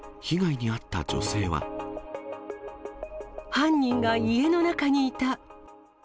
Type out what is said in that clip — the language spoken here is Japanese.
犯人が家の中にいた。